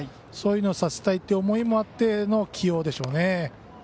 そういうのをさせたいという思いがあっての起用でしょうね。